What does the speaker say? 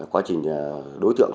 quá trình đối tượng